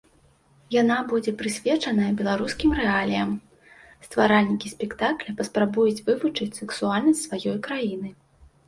Яна будзе прысвечаная беларускім рэаліям, стваральнікі спектакля паспрабуюць вывучыць сэксуальнасць сваёй краіны.